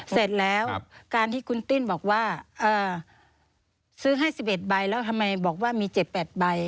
เสร็จแล้วการที่คุณติ้นบอกว่าซื้อให้๑๑ใบแล้วทำไมบอกว่ามี๗๘ใบ